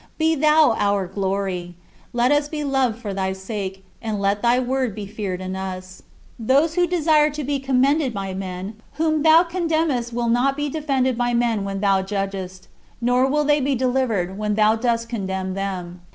Be thou our glory; let us be loved for thy sake, and let thy word be feared in us. Those who desire to be commended by the men whom thou condemnest will not be defended by men when thou judgest, nor will they be delivered when thou dost condemn them.